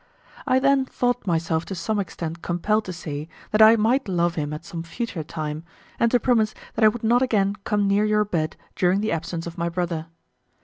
I then thought myself to some extent compelled to say that I might love him at some future time, and to promise that I would not again come near your bed during the absence of my brother.